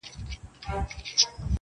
،آسمانه چېغو ته مي زور ورکړه،